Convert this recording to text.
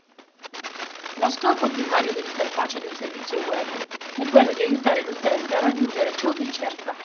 Lo scopo primario dell’interfaccia di un servizio web è quello di aiutare l’utente a raggiungere ciò che cerca